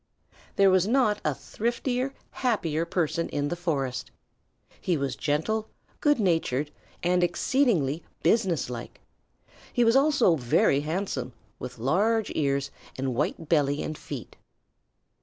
There was not a thriftier, happier person in the forest. He was gentle, good natured, and exceedingly businesslike. He was also very handsome, with large ears and white belly and feet.